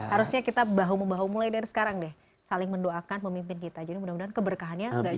harusnya kita bahu membahu mulai dari sekarang deh